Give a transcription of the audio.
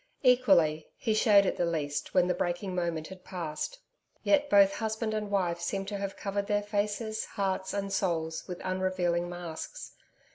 Equally, he showed it the least when the breaking moment had passed. Yet both husband and wife seemed to have covered their faces, hearts and souls with unrevealing masks.